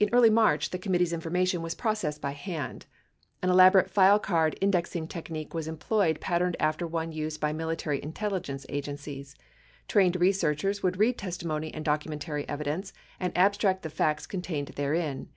In early March, the committee's information was processed by hand. An elaborate file card indexing technique was employed pat terned after one used by military intelligence agencies. Trained re searchers would read testimony and documentary evidence and ab stract the facts contained therein.